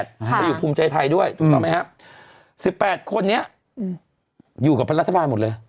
มาอยู่ภูมิใจไทยด้วยถูกต้องไหมครับ๑๘คนนี้อยู่กับรัฐบาลหมดเลย